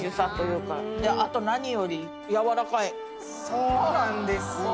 そうなんですよ。